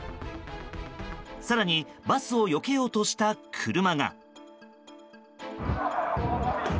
更にバスをよけようとした車が。